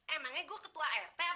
emangnya gue ketua rt apa ya